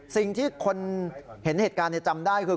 สิ่งที่คนเห็นเหตุการณ์จำได้คือ